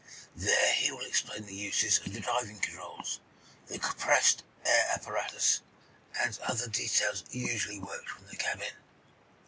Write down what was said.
There he will explain the uses of the diving controls, the compressed air apparatus, and other details usually worked from the cabin."